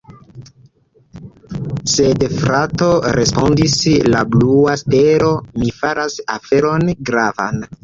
Sed frato, respondis la blua stelo, mi faras aferon gravan!